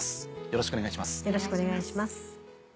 よろしくお願いします。